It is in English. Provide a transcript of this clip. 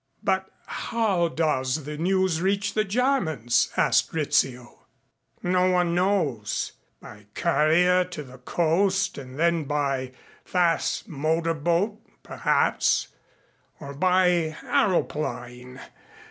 "But how does the news reach the Germans?" asked Rizzio. "No one knows. By courier to the coast and then by fast motor boat perhaps; or by aëroplane.